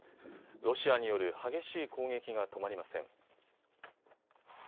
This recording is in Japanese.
ロシアによる激しい攻撃が止まりません。